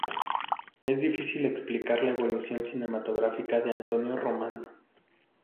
Es difícil explicar la evolución cinematográfica de Antonio Román.